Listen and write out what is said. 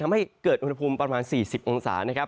ทำให้เกิดอุณหภูมิประมาณ๔๐องศานะครับ